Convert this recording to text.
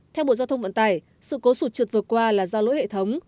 theo bộ giao thông vận tải sự cố sụt trượt vừa qua là do lỗi hệ thống